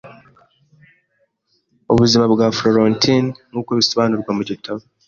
ubuzima bwa Florentine nkuko bisobanurwa mu gitabo